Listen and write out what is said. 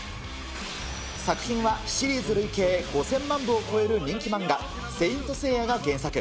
作品は、シリーズ累計５０００万部を超える人気漫画、聖闘士星矢が原作。